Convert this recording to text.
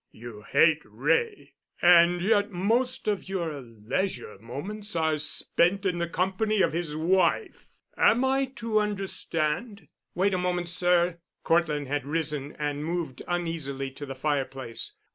You hate Wray, and yet most of your leisure moments are spent in the company of his wife. Am I to understand——?" "Wait a moment, sir——" Cortland had risen and moved uneasily to the fireplace.